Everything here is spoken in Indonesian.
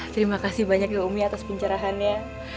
terima kasih banyak ya umi atas pencerahannya